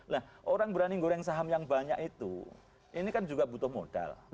nah orang berani goreng saham yang banyak itu ini kan juga butuh modal